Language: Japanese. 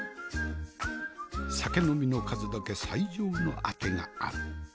酒呑みの数だけ最上のあてがある。